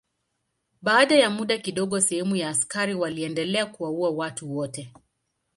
Baada ya muda kidogo sehemu ya askari waliendelea kuwaua watu wote.